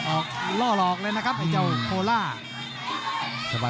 ออกล่อหลอกเลยนะครับไอ้เจ้าโคล่า